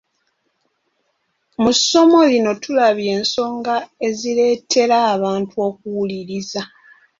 Mu ssomo lino tulabye ensonga ezireetera abantu okuwuliriza.